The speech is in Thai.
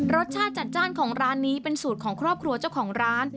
รสชาติจัดจ้านของร้านนี้เป็นสูตรของครอบครัวเจ้าของร้าน